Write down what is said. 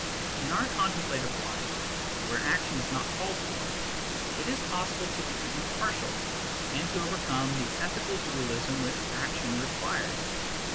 In our contemplative life, where action is not called for, it is possible to be impartial, and to overcome the ethical dualism which action requires.